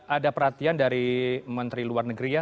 ada perhatian dari menteri luar negeri ya